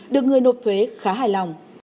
được người nộp thuế khá hài lòng